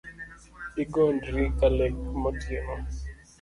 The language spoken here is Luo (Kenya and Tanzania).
Igondri ka lek motieno